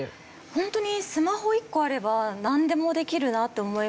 ホントにスマホ１個あればなんでもできるなって思いますし。